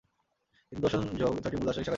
হিন্দু দর্শনে যোগ ছয়টি মূল দার্শনিক শাখার একটি।